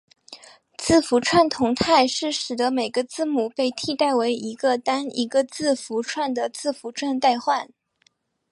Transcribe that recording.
字符串同态是使得每个字母被替代为一个单一字符串的字符串代换。